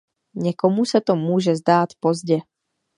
Někomu se to může zdát pozdě.